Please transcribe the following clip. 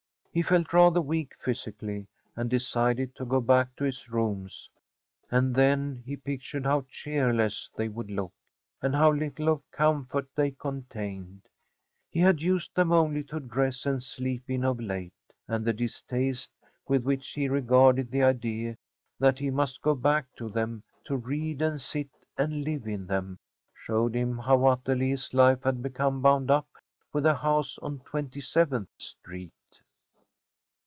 He felt rather weak physically, and decided to go back to his rooms, and then he pictured how cheerless they would look, and how little of comfort they contained. He had used them only to dress and sleep in of late, and the distaste with which he regarded the idea that he must go back to them to read and sit and live in them, showed him how utterly his life had become bound up with the house on Twenty seventh Street.